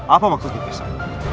apa maksudnya besok